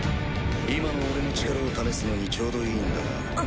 今の俺の力を試すのにちょうどいいんだが。